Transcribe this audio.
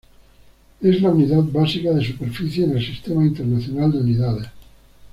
Es la unidad básica de superficie en el Sistema Internacional de Unidades.